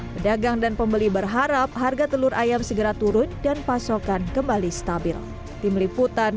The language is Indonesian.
pedagang dan pembeli berharap harga telur ayam segera turun dan pasokan kembali stabil